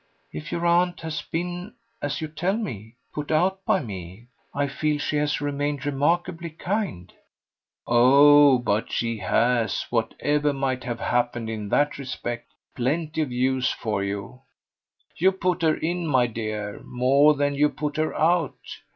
"If your aunt has been, as you tell me, put out by me, I feel she has remained remarkably kind." "Oh but she has whatever might have happened in that respect plenty of use for you! You put her in, my dear, more than you put her out.